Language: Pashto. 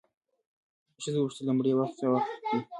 ښځه وپوښتله د مړي وخت څه وخت دی؟